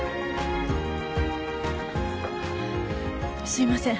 すいません。